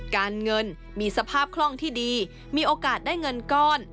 การเงินมีสภาพคล่องที่ดีมีโอกาสได้เงินก้อน